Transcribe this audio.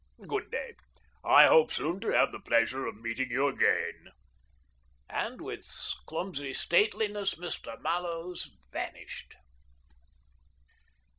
Good day. I hope soon to have the pleasure of meeting you again." And with clumsy stateli ness Mr. Mallows vanished.